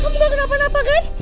kamu gak kenapa napa kan